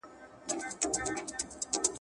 قانون توجه سياستپوهنه د يوه مبارزې پېژندنه ګڼي.